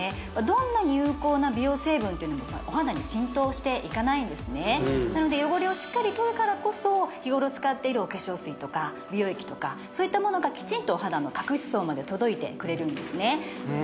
どんなに有効な美容成分もお肌に浸透していかないんですねなので汚れをしっかり取るからこそ日頃使っているお化粧水とか美容液とかそういったものがきちんとお肌の角質層まで届いてくれるんですね